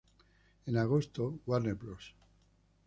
En agosto, Warner Bros.